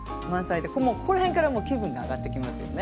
もうここらへんから気分が上がってきますよね。